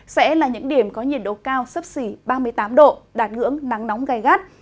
sẽ là những điểm có nhiệt độ cao sấp xỉ ba mươi tám độ đạt ngưỡng nắng nóng gai gắt